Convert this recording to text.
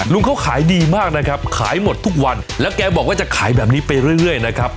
ลุงเขาขายดีมากนะครับขายหมดทุกวันแล้วแกบอกว่าจะขายแบบนี้ไปเรื่อยนะครับ